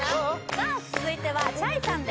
さあ続いてはｃｈａｙさんで